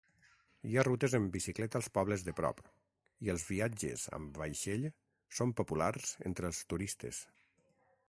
Hi ha rutes en bicicleta als pobles de prop, i els viatges amb vaixell són populars entre els turistes.